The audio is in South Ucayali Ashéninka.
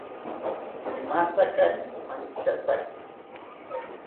Imantakari imantziyataki